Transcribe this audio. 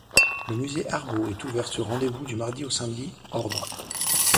Le Musée Arbaud est ouvert sur rendez-vous du mardi au samedi ordre.